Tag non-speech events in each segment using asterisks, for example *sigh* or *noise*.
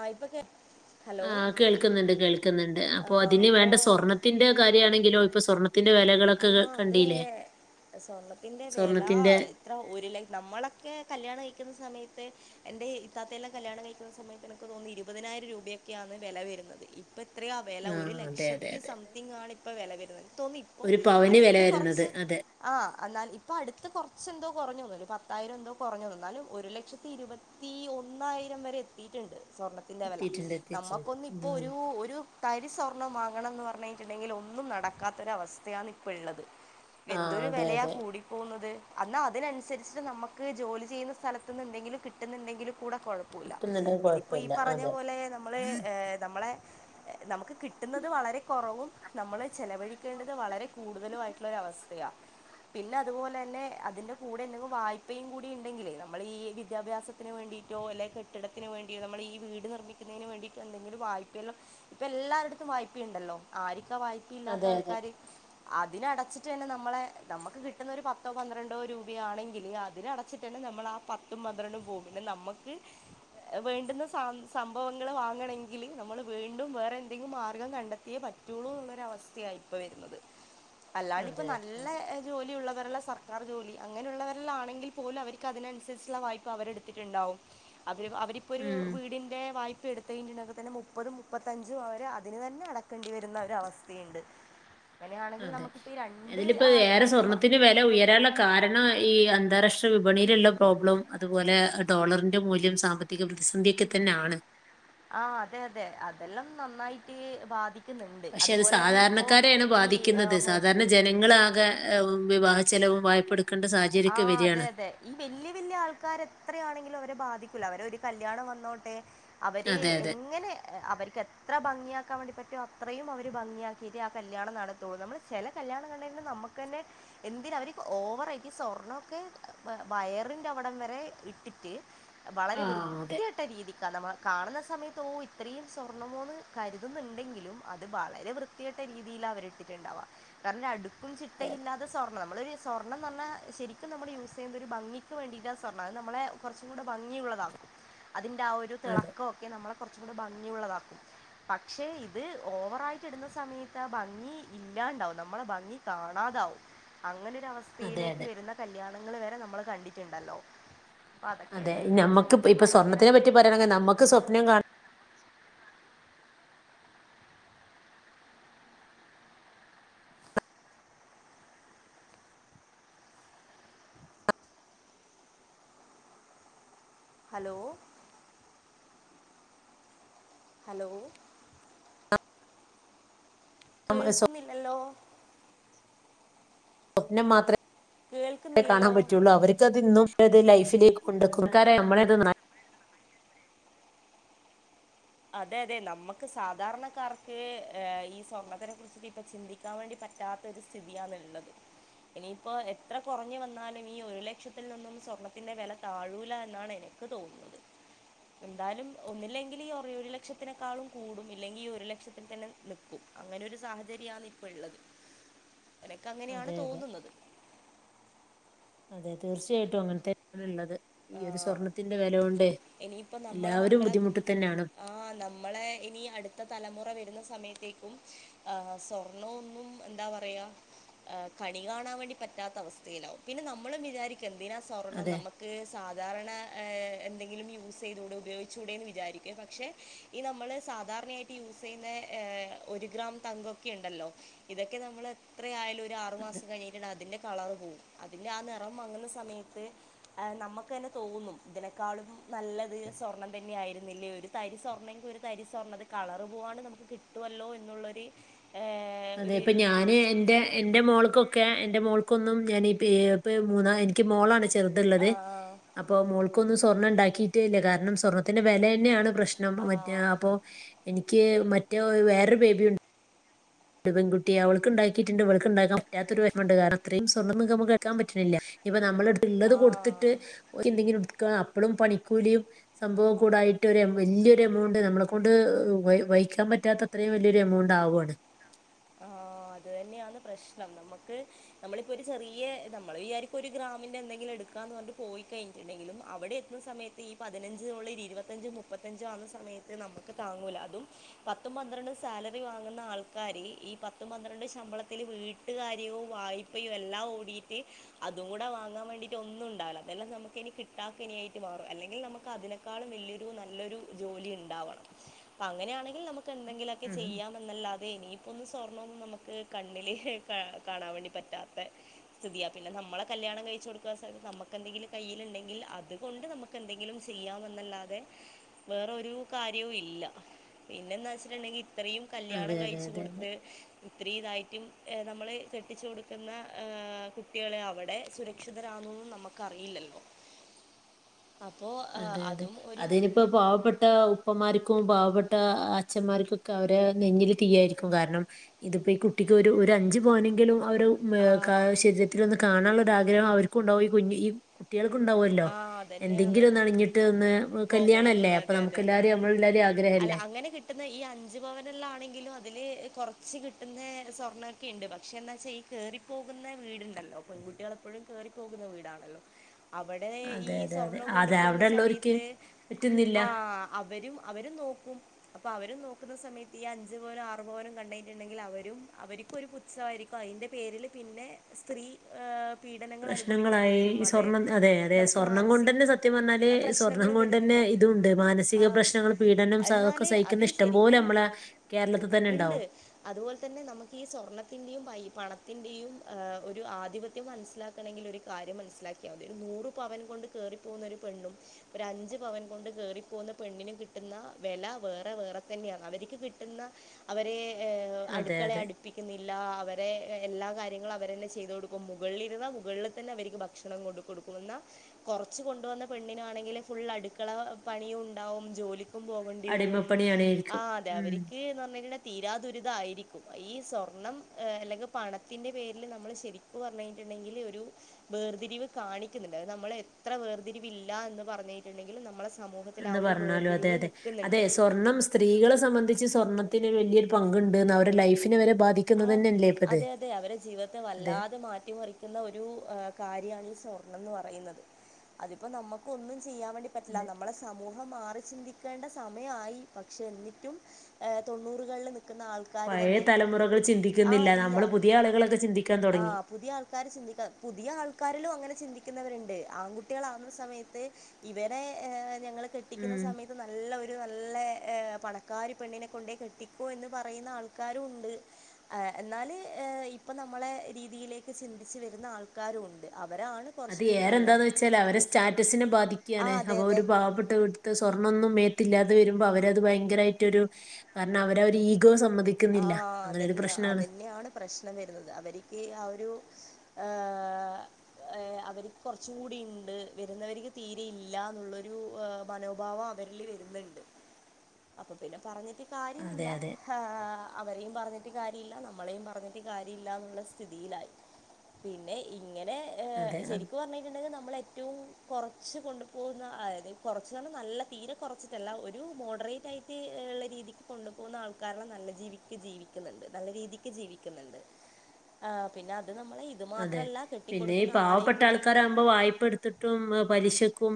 ആഹ് ഇപ്പൊ കേ ഹലോ ആഹ് കേൾക്കുന്നുണ്ട് കേൾക്കുന്നുണ്ട് ആ അപ്പൊ അതിന് അപ്പോ വേണ്ട സ്വർണത്തിന്റെ കാര്യമാണെങ്കിലോ ഇപ്പൊ സ്വർണ ത്തിന്റെ ആ വിലകളൊക്കെ ക അതെ കണ്ടീലേ സ്വർണത്തിന്റെ വില സ്വർണത്തിന്റെ എത്ര ഒരു ലെക് നമ്മളൊക്കെ കല്യാണം കഴിക്കുന്ന സമയത്ത് എന്റെ ഇത്താത്തയെല്ലാം കല്യാണം കഴിക്കുന്ന സമയത്ത് എനിക്ക് തോന്നണ് ഇരുപതിനായിരം രൂപയൊക്കെയാന്ന് വില വരുന്നത് ഇ ഇപ്പം എത്രയാ വില ഒരു ആഹ് അതെ അതെ ലക്ഷത്തി അതെ സംതിങ് ആണ് ഇപ്പ വില വരുന്നത് തോന്നി പ്പൊ ഒരു പവന് വില അടുത്ത് വരുന്നത് കൊറച്ച് അതെ ആഹ് എന്നാല് ഇപ്പ അടുത്ത് കൊറച്ച് എന്തോ കൊറഞ്ഞൂന്ന് ഒരു പത്തായിരം എന്തോ കൊറഞ്ഞൂന്ന് എന്നാലും ഒരു ലക്ഷത്തി ഇരുപ പത്തി ഒന്നായിരം വരെ എത്തിയിട്ടുണ്ട് സ്വർണത്തിന്റെ വില എത്തിയിട്ടുണ്ട് എത്തിയിട്ടുണ്ട് നമുക്കൊന്ന് ഇപ്പൊ ഉം ഒരു ഒരു തരി സ്വർണ്ണം വാങ്ങണം എന്ന് പറഞ്ഞ് കഴിഞ്ഞിട്ടുണ്ടെങ്കില് ഒന്നും നടക്കാത്തൊരവസ്ഥയാണ് ഇപ്പൊള്ളത് ആഹ് എന്തൊരു അതെ വിലയാ അതെ കൂടി പോകുന്നത് എന്നാൽ അതിനനുസരിച്ചിട്ട് നമ്മക്ക് ജോലി ചെയ്യുന്ന സ്ഥലത്തിന്ന് എന്തെങ്കിലും കിട്ടുന്ന്ണ്ടെങ്കില് കൂടെ കൊഴ പ്പൊല്ല കിട്ടുന്നുണ്ടെങ്കിൽ ഇതിപ്പോ ഈ കുഴപ്പമില്ല പറഞ്ഞ അതെ പോലെ നമ്മള് ഏഹ് നമ്മളെ നമുക്ക് കിട്ടുന്നത് വളരെ കൊറവും നമ്മള് ചെലവഴിക്കേണ്ടത് വളരെ കൂടുതലും ആയിട്ടുള്ളൊരവസ്ഥയാ പിന്നെ അതു പോലെ തന്നെ അതിന്റെ കൂടെ എന്തെങ്കിലും വായ്പയും കൂടി ഇണ്ടെങ്കിലേ നമ്മൾ ഈ വിദ്യാഭ്യാസ *unintelligible* വേണ്ടിയിട്ടോ അല്ലെങ്കി കെട്ടിടത്തിന് വേണ്ടിയോ നമ്മളീ വീട് നിർമ്മിക്കുന്നതിന് വേണ്ടിയിട്ടോ എന്തെങ്കിലും വായ്പയെല്ലാം ഇപ്പ എല്ലാരട്ത്തും വായ്പയുണ്ടല്ലോ ആരിക്കാ വായ്പ ഇല്ലാത്ത അതെ അതെ ആൾക്കാര് അതിനടച്ചിട്ട് തന്നെ നമ്മളെ നമ്മക്ക് കിട്ടുന്ന ഒരു പത്തോ പന്ത്രണ്ടോ രൂപയാണെങ്കില് അതിനടച്ചിട്ട് തന്നെ നമ്മളാ പത്തും പന്ത്രണ്ടും പോവും പിന്നെ നമ്മക്ക് ഏഹ് വേണ്ടുന്ന സ സംഭവങ്ങള് വാങ്ങണെങ്കില് നമ്മള് വീണ്ടും വേറെ എന്തെങ്കിലും മാർഗം കണ്ടെത്തിയേ പ റ്റൂള്ളൂ എന്നൊരു അവസ്ഥയാ ഇപ്പൊ വരുന്നത് അല്ലാണ്ട് ഇപ്പൊ അതെ അതെ നല്ല അതെ ജോലി ഉള്ളവരെല്ലാം സർക്കാർ ജോലി അങ്ങനെയുള്ളവരിൽ ആണെങ്കിൽ പോലും അവർക്ക് അതിനനുസരിച്ചുള്ള വായ്പ അവരെടുത്തിട്ടുണ്ടാവും അവര് അവരിപ്പോ ഒരു ഉം വീടിന്റെ വായ്പ എടു പെയിന്റിനൊക്കെ തന്നെ മുപ്പതും മുപ്പത്തഞ്ചും അവർ അതിന് തന്നെ അടക്കേണ്ടി വരുന്ന ഒരവസ്ഥയുണ്ട് അങ്ങനെയാണെങ്കിൽ അതെ നമുക്കിപ്പോൾ ഈ രണ്ട് അതിലിപ്പോ വേറെ ആൾക്കാർക്കും സ്വർണ്ണത്തിന് വെ ല ഉയരാനുള്ള കാരണം ഈ അന്താരാഷ്ട്ര വിപണിയിലുള്ള പ്രോബ്ലം അതുപോലെ ഡോളറിന്റെ മൂല്യം സാമ്പ ത്തിക പ്രതിസന്ധിയൊക്കെ തന്നെയാണ് ആഹ് അതെ അതെ അതെല്ലം നന്നായിറ്റ് ബാധിക് ക്ക്ന്ന്ണ്ട് പക്ഷെ അത് അതുപോലെ തന്നെ ഇപ്പോ സാധാരണക്കാരെയാണ് ഈ ബാധിക്കുന്നത് ഏഹ് *unintelligible* സാധാരണ ജനങ്ങളാകെ ഏഹ് വിവാഹ ചെലവും വായ്‌പ്പെട് ആഹ് അതെ അതെ ഈ വെല്യ വെല്യ ആൾക്കാര് എത്രയാണെങ്കിലും അവരെ ബാധിക്കൂല്ലാ അവരെ ഒരു കല്യാണം വന്നോട്ടെ അവര് അതെ അതെ എങ്ങനെ ഏഹ് അവര്ക്ക് എത് എത്ര ഭംഗിയാക്കാൻ വേണ്ടി പറ്റും അത്രയും അവര് ഭംഗിയാക്കീറ്റെ ആ കല്യാണം നടത്തു നമ്മള് ചെല കല്യാണം കണ്ട് കഴിഞ്ഞാ നമ്മക് ക്കെന്നെ എന്തിന് അവര് ഓവറായി ഈ സ്വർണൊക്കെ ഏഹ് വയറിന്റെ അവിടം വരെ ഇട്ടിറ്റ് വളരെ ആ വൃത്തികെട്ട് അതെ ട്ട രീതിക്കാ നമ്മ കാണുന്ന സമയത്ത് ഓഹ് ഇത്രയും സ്വർണ്ണമോന്ന് കരുതുന്നുണ്ടെങ്കിലും അത് വളരെ വൃത് ത്തികെട്ട രീതീലാ അവരിട്ടിറ്റ്ണ്ടാവാ കാരണം ഒര് അടുക്കും ചിട്ടയും ഇല്ലാതെ സ്വർണ്ണം നമ്മളൊര് സ്വർണന്ന് പറഞ്ഞാ ശരിക്കും നമ്മള് യൂസ് ചെയ്യുന്നത് ഒരു ഭംഗിക്ക് വേണ്ടിട്ടാ സ്വർണം അത് നമ്മളെ കൊറച്ചും കൂടെ ഭംഗിയുള്ളതാക്കും അതിന്റെ ആ ഒരു അതെ തിളക്കൊക്കെ നമ്മളെ കൊറച്ചും കൂടി ഭംഗിയുള്ളതാക്കും പക്ഷേ ഇത് ഓവറായിറ്റ് ഇടുന്ന സമയത്ത് ആ ഭംഗി ഇല്ലാണ്ടാവും നമ്മളെ ഭംഗി കാണാതാവും അങ്ങനൊരവസ് അതെ സ്ഥയിലേക്ക് അതെ വരുന്ന കല്യാണങ്ങള് വരെ നമ്മള് കണ്ടിറ്റ്ണ്ടല്ലോ അതെ ഞമ്മക്ക് ഇപ് ഇപ്പ സ്വർണ്ണത്തിനെ ഒരു പറ്റി പറയാണെങ്കി നമ്മക്ക് സ്വപ്നം കാണാ ഹലോ ഹലോ സ്വ- കേൾക്കുന്നില്ലല്ലോ? സ്വപ്നം മാത്രേ കാണാൻ കേൾക്കുന്നില്ലല്ലോ പറ്റുള്ളൂ അവര് *unintelligible* ഇന്നും ലൈഫിലേക്ക് കൊണ്ടെക്കും *unintelligible* അതെ അതെ നമ്മക്ക് സാധാരണക്കാർക്കെ ഏഹ് ഈ സ്വർണത്തിനെക്കെ ഇപ്പ ചിന്തിക്കാൻ വേണ്ടി പറ്റാത്തൊരു സ്ഥിതിയാണ്ള്ളത്. എനിയിപ്പം എത്ര കൊറഞ്ഞ് വന്നാലും ഈ ഒരു ലക്ഷത്തിൽ നിന്നൊന്നും സ്വർണ്ണത്തിന്റെ വെല താഴൂലാ എന്നാണ് എനിക്ക് തോന്നുന്നത് എന്തായാലും ഒന്നില്ലെങ്കിൽ ഈ ഒ ഇപ്പ ഇ ഈഒരു ലക്ഷത്തിനേക്കാളും കൂടും ഇല്ലെങ്കി ഈ ഒരു ലക്ഷത്തി തന്നെ നിക്കും അങ്ങനെ ഒരു സാഹചര്യാണ് ഇപ്പള്ളത്. എനക്കങ്ങനെയാണ് അതെ അതെ തോന്നുന്നത്. അതെ തീർച്ചയായിട്ടും അങ്ങനെത്തെന്നെയാ ഇള്ളത് ഈ ഒരു ആഹ് സ്വർണ്ണിത്തിന്റെ വെല കൊണ്ടേ എല്ലാവരും ബുദ്ധിമുട്ട് തന്നെയാണ്. ആഹ് നമ്മളെ ഇനി അടുത്ത തലമുറ വരുന്ന സമയത്തേക്കും ആഹ് സ്വർണ്ണവൊന്നും എന്താ പറയാ ഏഹ് കണി കാണാൻ വേണ്ടി പറ്റാത്ത അവസ്ഥയിലാവും പിന്നെ നമ്മളും വിചാരിക് ക്കെന്തിനാ സ്വർണ്ണം? അതെ നമ്മക്ക് സാധാരണ ഏഹ് എൻ എന്തെങ്കിലും യൂസ് ചെയ്തൂടെ, ഉപയോഗിച്ചൂടെന്ന് വിചാരിക്കുവേ പക്ഷെ ഈ നമ്മള് സാധാരണയിട് ട്ട് യൂസ് ചെയ്യുന്നെ ഏഹ് ഒരു ഗ്രാം തങ്കൊക്കെണ്ടല്ലോ? ഇതൊക്കെ നമ്മള് എത്രയായാലും ഒരു അതെ ആറുമാസം കഴിഞ്ഞിട്ട്ണ്ടെ അതിന്റെ കളറ് പോവും അതിന്റെ ആ നിറം മങ്ങുന്ന സ സമയത്ത് ആഹ് നമ്മക്ക് തന്നെ തോന്നും ഇതിനെക് ക്കാളും നല്ലത് സ്വർണ്ണം തന്നെയായിരുന്നില്ലേ? ഒരു തരി സ്വർണ്ണെങ്കി ഒരു തരി സ്വർണ്ണം, അത് കളറ് പോവാതെ നമ്മക്ക് കിട് കിട്ടുവല്ലോ എന്നുള്ളൊരു ഏഹ് അതെ ഇപ്പ ഞാന് എന്റെ എന്റെ മോൾക്കൊക്കെ എന്റെ മോൾക്കൊന്നും ഞാനീ പേ *unintelligible* മൂന്നാ എനിക്ക് മോളാണ് ചെ ചെറുത്ള്ളത് ആ അപ്പം മോൾക്കൊന്നും സ്വർണ്ണം ഇണ്ടാക്കിയിറ്റേ ഇല്ലാ കാരണം സ്വർണ്ണത്തിന്റെ വെലയെന്നെയാണ് പ്രശ് റ്റം മറ്റെ അപ്പൊ എനിക്ക് മറ്റേ വേറൊരു ബേബിയും ഉണ്ട് ണ്ട് പെൺകുട്ടിയെ അവൾക്ക് ഇണ്ടാക്കിയിറ്റ്ണ്ട് ഇവൾക്ക് ഇണ്ടാക്കാൻ പറ്റാത്തൊരു വെഷമെണ്ട്‌ കാരണം ഇത്രീം സ്വർണ്ണന്ന് നമ്മക്ക് കേക്കാൻ പറ്റണില്ലാ ഇപ്പൊ നമ്മളെട്ത്ത്‌ ഉള്ളത് ആ കൊടുത്തിട്ട് ആ ക്കി എന്തെങ്കിലുംട്ക്ക, അപ്പളും പണിക്കൂലിയും. സംഭവം കൂടായിട്ട് വല്ല്യൊരു എമൗണ്ട് നമ്മളെ കൊണ്ട് വഹിക്കാൻ പറ്റാത്ത. അത്രീം വലിയൊരു എമൗണ്ടാവാണ്. ആഹ്. അത് തന്നെയാണ് പ്രശ്നം. നമുക്ക്, നമ്മളിപ്പോ ഒരു ചെറിയ നമ്മള് വിചാരിക്കും, ഒരു ഗ്രാമിന്റെ എന്തെങ്കിലും എടുക്കാന്ന് പറഞ്ഞിട്ട് പോയി കഴിഞ്ഞ ണ്ടെങ്കിലും അവിടെ എത്തുന്ന സമയത്ത് ഈ പതിനഞ്ച്ന്നുള്ളത് ഇരുപത്തഞ്ച് മുപ്പത്തഞ്ച് ആവുന്ന സമയ ത്ത് നമുക്ക് താങ്ങൂല. അതും പത്തും പന്ത്രണ്ടും സാലറി വാങ്ങുന്ന ആൾക്കാര് ഈ പത്തും പന്ത്രണ്ട്‌ ശമ്പളത്തിൽ വീട്ടുകാര്യവും വായ്പയും എല്ലാം ഓടീട്ട്. അതുംകൂടെ വാങ്ങാൻ വേണ്ടിട്ട് ഒന്നും ണ്ടാവൂല. അതെന്നെ നമുക്ക്നി കിട്ടാകനിയായിട്ട് മാറും. അല്ലെങ്കിൽ നമുക്ക് അതിനെ. ക്കാളുംവല്യരു നല്ലൊരു ജോലി ഉണ്ടാവണം. അപ്പങ്ങനെയാണെങ്കിൽ നമ ക്കെ ന്തെങ്കിലുമൊക്കെ ഉം ചെയ്യാം എന്നല്ലാതെ ഇനി. ഒന്നും സ്വർണമന്നും നമുക്ക് കണ്ണില് കാണാൻ വേണ്ടി പറ്റാത്ത. സ്ഥിതി. പിന്നെ നമ്മളെ കല്യാണം കഴിച്ച് കൊടുക്കാൻ സമയത്ത് നമുക്കെന്തങ്കിലും കയ്യിയിലുണ്ടെങ്കിൽ അത് കൊണ്ട് നമ ക്കെന്തെങ്കിലും ചെയ്യാമെന്നല്ലാതെ. വേറൊരു കാര്യവും ഇല്ല. പിന്നെന്താച്ചിട്ടുണ്ടെങ്കി ഇത്രയും അതെ കല്യാണം അതെ കഴിച് അതെ കൊട. ഇത്രീതായിട്ടും, നമ്മള് കെട്ടിച്ചു കൊടുക്കുന്ന ഏഹ് കുട്ടികള് അവിടെ സുര. - ക്ഷിതരാണന്നൊന്നും നമുക്കറിയില്ലല്ലോ? അപ്പോ അതും ഒരു. ഇപ്പൊ പാവപ്പെട്ട ഉപ്പമാർക്കും, പാവപ്പെട്ട ഉപ്പമാർക്കും പാവപ്പെട്ട അച്ഛന്മാർക്കും ക്കെ അവരെ നെഞ്ഞില് തീയായിരിക്കും. കാരണം ഇതിപ്പോ ഈ കുട്ടിക്ക് ഒരു ഒരു അഞ്ച് പവനെങ്കിലും അവര്. ആ ഏഹ് ക ശരീരത്തിൽ ഒന്ന് കാണാനുള്ളൊരാഗ്രഹം അവർക്കും ഉണ്ടാവും. ഈ കുഞ്ഞ ഈ- കുട്യേക്കുണ്ടാവോല്ലോ? ആ എന്തെൻ അതന്നെയാണ് ങ്കിലൊന്ന് അണിഞ്ഞിട്ട് ഒന്ന്. പോകണം കല്യാണല്ലേ എന്നുള്ള അപ്പൊ അതെ അതെ നമുക്ക് അതെ എല്ലാരേം നമ്മള എല്ലാരേം അല്ല ആഗ്രഹല്ലേ? അങ്ങനെ കിട്ടുന്ന ഈ അഞ്ചു പവനല്ലാംണെങ്കിലും അതില് കുറച്ച് കിട്ടുന്ന സ്വർണ്ണൊക്കെണ്ട്. പക്ഷെ എന്താ വെച്ചാൽ ഈ കേറി- പോകുന്ന വീടുണ്ടല്ലോ? പെൺകുട്ടികൾ എപ്പോഴും കേറിപ്പോകുന്ന വീടാണല്ലോ? അവടെ ഈ അതെ അതെ അതെ സ്വർണം കൊണ്ട് അതെ പോകുന്ന അവിടെള്ളവർക്ക് സമയത്ത്. പറ്റുന്നില്ല ആഹ്. അവരും, അവരും നോക്കും. അപ്പൊ അവരും നോക്കുന്ന സമയത്ത് ഈ അഞ്ചുപവനും ആറുപവനും കണ്ടിട്ടുണ്ടെങ്കിൽ അവരും അവർക്കരു പു ത്സായിരിക്കും. അതിന്റെ പേരിൽ പിന്നെ സ്ത്രീ. ഏഹ് പീഡനങ്ങൾ അനുഭവിക്കേണ്ടി പ്രശ്നങ്ങളായി. വരും ഈ അതെ സ്വർണം അതെതെ തെ. നമുക്ക് സ്വർണ്ണം കൊണ്ട് ന്നെ മാനസിക സത്യം പറഞ്ഞാല് സ്വർണം പ്രശ്നങ്ങളും കൊണ്ട് ന്നെ വരുന്നുണ്ട് ഇതു ണ്ട് ആ മാനസിക പ്രശ് പ്രശ്നങ്ങൾ പീഡനം ഒക്കെ എന്നാല് അത് സഹിക്കുന്ന ഇഷ്ടം പോലെ ശരിക്കും നമ്മളെ കേരളത്തിൽ തന്നെ ഉണ്ട്. ണ്ടാവും. അതുപോലെ തന്നെ നമുക്ക് ഈ സ്വർണത്തിന്റെയും പണത്തിന്റെയും ഒരു ആധിപത്യം മനസ്സിലാക്ക ക്ക ണെങ്കിൽ ഒരു കാര്യം മനസ്സിലാക്കിയാതി. ഒരു നൂറ് പവൻ കൊണ്ട് കേറി പോകുന്ന ഒരു പെണ്ണും ഒരഞ്ചു പവൻ കൊണ്ട് കയറിപ്പോകുന്ന പെണ്ണിനും കിട്ടുന്ന വില വേറെ വേറെ തന്നെയാണ്. അവർക്ക് കിട്ടുന്ന. അവരെ അതെ അടുക്കളെ അതെ അടു. പ്പിക്കുന്നില്ല. അവരെ എല്ലാ കാര്യങ്ങളും അവര് തന്നെ ചെയ്തു കൊടുക്കും. മുകളിലിരുന്നാ മുകളിൽ തന്നെ അവർക്ക് ഭക്ഷണം കൊടുക്കും. കൊടുക്കും ല്ല. കുറച്ച് കൊണ്ടുവന്ന പെണ്ണിനാണെങ്കിൽ ഫുൾ അടുക്കള പണിയും ണ്ടാവും. ജോലി. ക്കും പോകണ്ടി വരും. അടിമപ്പണിയാണേയിരിക്കും ആഹ് അതെ ഉം അവര്ക്ക് എന്ന് പറഞ്ഞ. തീരാ ദുരിതയിരിക്കും. ഈ സ്വർണം അല്ലെങ്കി പണത്തിന്റെ പേരിൽ നമ്മൾ ശരി. ക്കു പറഞ്ഞിട്ടുണ്ടെങ്കി ഒരു വേർതിരിവ്. കാണിക്കുന്നുണ്ട്. അത് നമ്മൾ എത്ര വേർതിരിവില്ല എന്ന് പറഞ്ഞിട്ടുണ്ടെങ്കിലും നമ്മളെ സമൂഹത്തിൽ ആ എന്ന് ഒരു പറഞ്ഞാലും അതെ വേർതിരിവ് അതെ അതെ നിൽക്കുന്നുണ്ട് സ്വർണം സ്ത്രീകളെ സംബന്ധിച്ച് സ്വർണത്തിന് വലിയൊരു പങ്കുണ്ട്ന്ന് അവരു ലൈഫിനെ വരെ ബാധി. ആഹ് അതെ അതെ അവരെ ജീവിതത്തെ അതെ വല്ലാതെ മാറ്റിമറി ക്കുന്ന ഒരു കാര്യമാണ് ഈ സ്വർണം എന്ന് പറയുന്നത്. അതിപ്പോ നമുക്ക് ഒന്നും ചെയ്യാൻ വേണ്ടി. പറ്റില്ല അതെ നമ്മളെ സമൂഹം മാറി ചിന്തിക്കേണ്ട സമയായി പക്ഷെ ന്നിറ്റും. ഏ തൊണ്ണൂറുകളിൽ നിക്കുന്ന ആൾ. പഴയ തലമുറകൾ ചിന്തിക്കുന്നില്ല ഇല്ല നമ്മള് പുതിയ ആളുകളൊക്കെ ചിന്തിക്കാൻ ആ തൊടങ്ങി. പുതിയ ആൾക്കാർ ചിന്തിക്കാ പുതിയ ആൾക്കാരിലും അങ്ങനെ ചിന്തിക്കുന്നവരുണ്ട് ആൺകുട്ടികളാാവുന്ന സമയത്ത്. ഇവരെ എ ഞങ്ങള് കെട്ടിക്കുന്ന ഉം സമയ ത്ത് നല്ല ഒരു നല്ല പണക്കാരി പെണ്ണിനെ കൊണ്ടേ കെട്ടിക്കൂ എന്ന് പറയുന്ന ആൾക്കാരുണ്ട്. ഏഹ് എന്നാല് ഏ ഇപ്പം നമ്മളെ രീതിയിലേക്ക് ചിന്തിച്ച് വരുന്ന ആൾക്കാരുണ്ട്. അവരാണ്. അത് കുറച്ചും കൂടി നല്ലത് ഏറെന്താന്ന് വെച്ചാല് അവരെ സ്റ്റാറ്റസിനെ ആ ബാധിക്കുകയാണ് അതെ അപ്പൊ അതെ ഒരു പാവപ്പെട്ട വീ ത്ത് സ്വർണ്ണൊന്നും മേത്തില്ലാതെ വരുമ്പോ അവരത് ഭയങ്കരായിട്ടൊരു കാരണം അവര ഒരു ഈഗോ സമ്മതി ആഹ് അതന്നെയാ അതന്നെയാണ് പ്രശ്നം വരുന്നത്. അവരിക്ക് ആ ഒരു ആഹ്. ഏ അവര്ക് കൊർച്ച് കൂടി ണ്ട് വരുന്നവര്ക്ക് തീരെയില്ല ന്നുള്ളൊരു മനോഭാവാ വെരളി വരുന്നുണ്ട് അപ്പൊ പിന്നെ പറഞ്ഞിട്ട് കാര്യമില്ല. അതെ അതെ അവരേയും പറഞ്ഞിട്ട് കാര്യ ഇല്ല നമ്മളെയും പറഞ്ഞിട്ട് കാര്യ ഇല്ലാന്നുള്ള സ്ഥിതിയിലായി. പിന്നെ ഇങ്ങനെ ഏ അതെ ശരിക്കും പറഞ്ഞിട്ടുണ്ടെങ്കി നമ്മളെറ്റവും. കൊറച്ച് കൊണ്ടു പോകുന്ന അതായത് കൊറച്ച് ന്നർഞ നല്ല തീരെ കൊറച്ചിട്ടല്ല ഒരു മോഡറേറ്റായി ട്ട് ള്ള രീതിക്ക് കൊണ്ടു പോക്ന്ന ആൾക്കാരള നല്ലത്. ജീവിക്ക് ജീവിക്കുന്നുണ്ട് നല്ല രീതിക്ക് ജീവിക്കുന്നുണ്ട് ആഹ് പിന്നത് നമ്മളെ. തു അതെ മാത്രല്ല കെട്ടിക്കൊടുക്കുന്ന ആളെയും കൂടെ. പ്പ വായ്പെടുത്തിട്ടും പലിശക്കും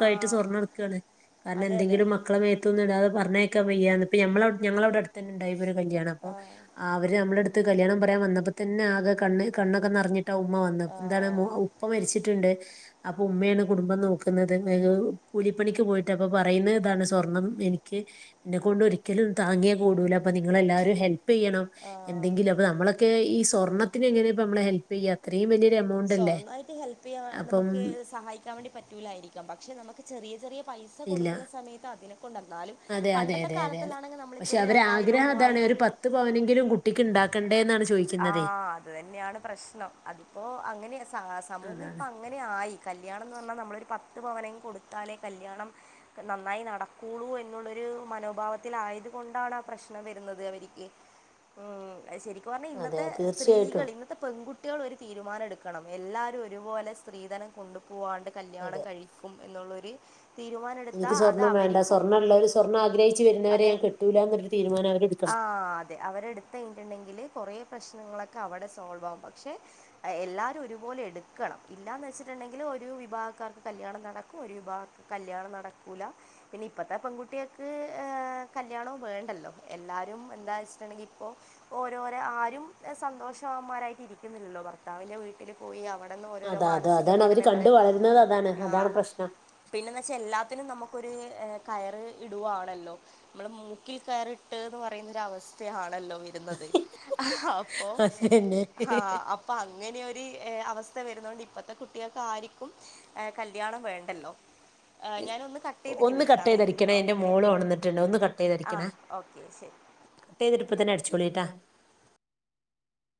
ആ സ്വർണ്ണെടുക്കാണ് കാരണം അതെ അതെ എന്തെങ്കിലും മ ക്കള മേത്തൊന്ന്ടാതെ പറഞ്ഞേക്കാ വയ്യാന്ന് ഇപ്പ ഞമ്മള ഞങ്ങളവിടെ അടുത്തന്നെണ്ടായിപ്പോ ഒരു കല്യാണപ്പൊ. ആ ആഹ് അവര് നമ്മളടുത്ത് കല്യാണം പറയാൻ വന്നപ്പ തന്നെ ആകെ കണ്ണ് കണ്ണൊക്കെ നെർഞ്ഞ് ട്ട ഉമ്മ വന്ന ആ ന്താണ് ഉപ്പ മരിച്ചിട്ടുണ്ട്. അപ്പൊ ഉമ്മയാണ് കുടുംബം നോക്കുന്നത്. *unintelligible* കൂലിപ്പണിക്ക് പോയിട്ട് അപ്പൊ പറയുന്ന താണ് സ്വർണം എനിക്ക്. ന്നെക്കൊണ്ടൊരിക്കലും താങ്ങിയേ കൂടൂല അപ്പൊ നിങ്ങളെല്ലാവരും ഹെൽ പ്പെയ്യണം ആ എന്തെങ്കിലു അപ നമ്മളൊക്കെ ഈ സ്വർണത്തിന് എങ്ങനെ നമ്മള് ഹെൽപെയ്യ അത്രയും വല്യരെമൗ സ്വർണ്ണായിട്ട് ഹെൽപെയ്യാൻ നമുക്ക് സഹായിക്കാൻ വേണ്ടി പറ്റൂലായിരി ക്കാം. പക്ഷെ, നമുക്ക് ചെറിയ ചെറിയ പൈസ ഇല്ല കൊടുക്കുന്ന സമയത്ത് അതിനെ കൊണ്ടെന്നാലും. അതെ അതെ പണ്ടത്തെ അതെ അതെ അതെ കാലത്തിലാണെങ്കി നമ്മളിപ്പോ പക്ഷെ ഒരു അവരെ രണ്ടായിരോ ആഗ്രഹം അതാണ് മൂവായിരോ ഒരു പത്ത് പവനെങ്കിലും കുട്ടിക്ക് ഉണ്ടാക്കണ്ടേ എന്നാണ് ചോദിക്കുന്നതേ ആഹ് അത് തന്നെയാണ് പ്രശ്നം. അതിപ്പോ അങ്ങനെ സ സമൂഹം അതാണ് ഇപ്പൊ അങ്ങനെ ആയി കല്യാണം എന്ന് പറഞ്ഞാ നമ്മളൊരു പ ത്ത് പവനെ കൊടുത്താലേ കല്യാണം. നന്നായി നടക്കൂളൂ എന്നുള്ളൊരു മനോഭാവത്തിലായത് കൊണ്ടാണാ പ്രശ്നം വരുന്നത് അവരിക്ക്. ഊം അഅ് അയ് ശരിക്കും പറഞ്ഞാ അതെ ഇന്നത്തെ തീർച്ചയായിട്ടും സ്ത്രീകള് ഇന്നത്തെ പെങ്കുട്ട്യൾ ഒര് തീരുമാനെടുക്കണം. എല്ലാരും ഒരു പോലെ സ്ത്രീധനം കൊണ്ടു പോവാണ്ട് കല്യാണം അതെ കഴി ക്കും എന്നുള്ളൊര് തീരുമാനട് എനിക്ക് സ്വർണം വേണ്ട സ്വർണ്ണള്ളവര് സ്വർണാഗ്രഹിച്ചു വരുന്നവരെ അതെ ഞാൻ കെട്ടൂലാന്ന് ഒര് തീരുമാനം അവരെടുക്കണം. തെ അവരെടുത്ത് കഴിഞ്ഞിട്ടുണ്ടെങ്കില് കൊറേ പ്രശ്നങ്ങളൊക്കെ അവടെ സോൾവാകും. പക്ഷെ, അഹ് എല്ലാവരും ഒരുപോലെ എടുക്കണം. ഇല്ലാന്ന് വെച്ചിട്ടുണ്ടെങ്കിൽ ഒരു വിഭാഗക്കാർക്ക് കല്യാണം നടക്കും ഒരു വിഭാ കല്യാണം നടക്കൂല. പിന്നെ ഇപ്പത്തെ പെൺകുട്ടിയേക്ക് ഏ കല്യാണൊം വേണ്ടല്ലോ എല്ലാരും എന്താ *unintelligible* ങ്കി ഇപ്പൊ. ഓരോര ആരും ഏ സന്തോഷവന്മാരായിട്ട് ഇരിക്കുന്നില്ലല്ലോ ഭർത്താവിന്റെ വീ പിന്നെ പോയി അവിടെന്ന് ഓരോരോ അതാ അതാ മാനസിക അതാണ് അവര് പീഡനങ്ങള് കണ്ടു വളരുന്നത് അതാണ് ആഹ്. അതാണ് പ്രശ്നം പിന്നെന്ന് വെച്ചാ എല്ലാത്തിനും നമുക്കൊരു കയറ് ഇടുവാണല്ലോ. നമ്മള് മൂക്കിൽ കയറിട്ട് എന്ന് പറയുന്നൊരവസ്ഥയാണല്ലോ ഇത്. എന്താ ഇത് അപ്പോ അതന്നെ ആഹ്. അപ്പൊ അങ്ങനെയൊര് അവസ്ഥ വരുന്ന കൊണ്ട് ഇപ്പത്തെ കുട്ടികൾക്ക് ആരിക്കും. ഏഹ് കല്യാണം വേണ്ടല്ലോ. ഞാന് ഒന്ന് കട്ട് ചെയ്തിട്ട് ഒന്ന് കട്ട് വിളിക്കാമേ ചെയ്തടിക്കണേ എന്റെ ഓക്കെ മോള് ഉണർന്നിട്ടുണ്ട് ഒന്ന് ആഹ് ഓക്കെ ശെരി. ട്ടയ്തിട്ട് ഇപ്പൊതന്നെ അടിച്ചോളിട്ടാ.